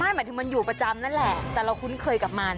หมายถึงมันอยู่ประจำนั่นแหละแต่เราคุ้นเคยกับมัน